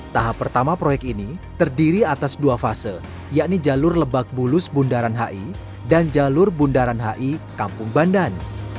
tahap pertama proyek ini terdiri atas dua fase yakni jalur lebak bulus bundaran hi dan jalur bundaran hi kampung bandan